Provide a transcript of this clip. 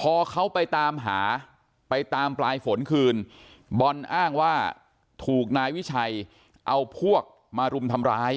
พอเขาไปตามหาไปตามปลายฝนคืนบอลอ้างว่าถูกนายวิชัยเอาพวกมารุมทำร้าย